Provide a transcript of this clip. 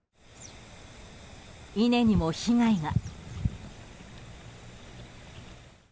稲にも被害が。